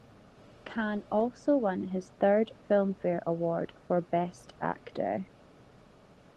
Khan also won his third Filmfare Award for Best Actor.